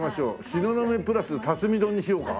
東雲プラス辰巳丼にしようか？